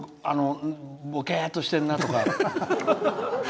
ぼけっとしてんなとか。